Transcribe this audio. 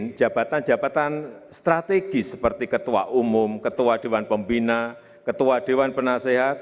dengan jabatan jabatan strategis seperti ketua umum ketua dewan pembina ketua dewan penasehat